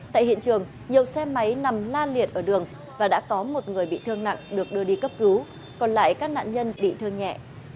tại hiện trường nhiều xe máy nằm la liệt ở đường và đã có một người bị thương nặng được đưa đi cấp cứu còn lại các nạn nhân bị thương nhẹ